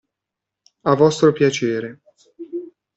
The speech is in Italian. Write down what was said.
A vostro piacere!